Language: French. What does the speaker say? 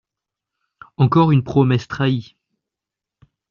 Encore une promesse trahie